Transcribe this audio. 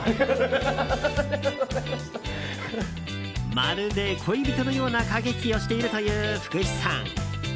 まるで恋人のような駆け引きをしているという福士さん。